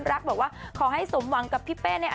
อยากให้มีงานเยอะ